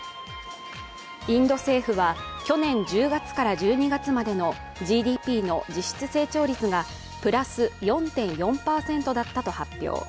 インド政府は去年１０月から１２月までのＧＤＰの実質成長率がプラス４．４％だったと発表。